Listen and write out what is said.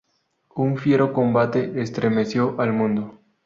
Un fiero combate estremeció al mundo.